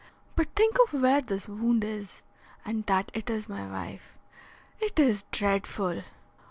But think of where this wound is, and that it is my wife. It is dreadful!"